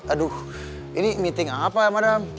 aduh ini meeting apa ya madam